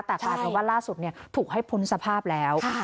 แต่กลายถึงวันล่าสุดถูกให้พลสภาพแล้ว